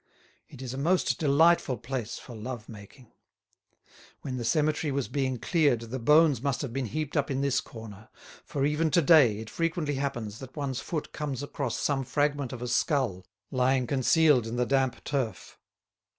It is a most delightful place for love making. When the cemetery was being cleared the bones must have been heaped up in this corner; for even to day it frequently happens that one's foot comes across some fragment of a skull lying concealed in the damp turf.